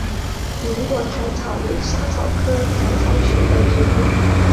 菱果薹草为莎草科薹草属的植物。